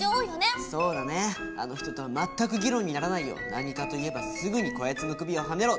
何かと言えばすぐに「こやつの首をはねろ！」